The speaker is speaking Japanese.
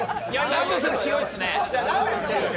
ランドセルひどいっすね